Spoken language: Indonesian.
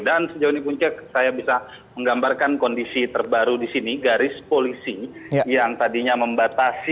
dan sejauh ini punca saya bisa menggambarkan kondisi terbaru di sini garis polisi yang tadinya membatasi